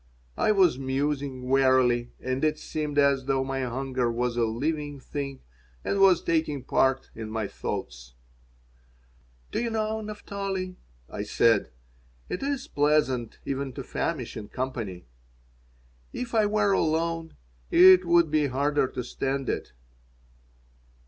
I was musing wearily, and it seemed as though my hunger was a living thing and was taking part in my thoughts "Do you know, Naphtali," I said, "it is pleasant even to famish in company. If I were alone it would be harder to stand it.